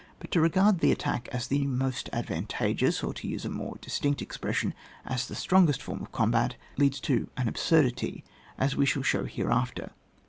But to regard the attack as the most advantageous, or, to use a more distinct expression, as the strongest form of combat leads to an absurdity, as we shall show hereafter.